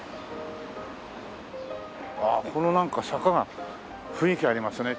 ああこのなんか坂が雰囲気ありますね。